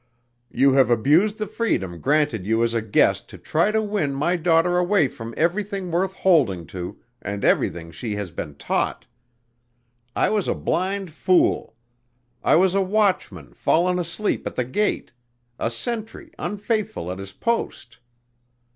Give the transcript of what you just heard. You have abused the freedom granted you as a guest to try to win my daughter away from everything worth holding to and everything she has been taught. I was a blind fool. I was a watchman fallen asleep at the gate a sentry unfaithful at his post."